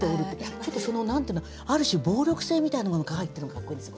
ちょっとある種暴力性みたいなものが入ってるのがかっこいいんですよ